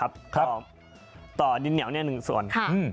ต่อไหนต่อดินเหนียว๑ส่วน